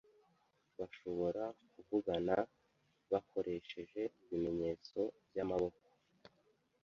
Bashobora kuvugana bakoresheje ibimenyetso byamaboko.